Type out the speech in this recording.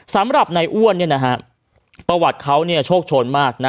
สำหรับในอ้วนประวัติเขาโชคโชนมาก